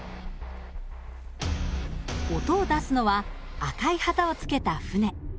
音を出すのは赤い旗をつけた船。